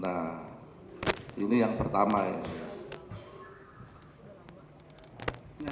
nah ini yang pertama ya